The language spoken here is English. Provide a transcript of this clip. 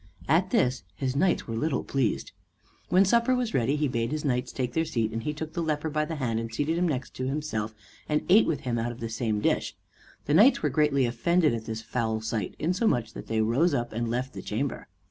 At this were his knights little pleased. When supper was ready he bade his knights take their seats, and he took the leper by the hand, and seated him next himself, and ate with him out of the same dish. The knights were greatly offended at this foul sight, insomuch that they rose up and left the chamber.